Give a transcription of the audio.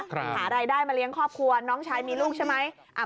หารายได้มาเลี้ยงครอบครัวน้องชายมีลูกใช่ไหม